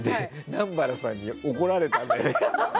南原さんに怒られたんだよね。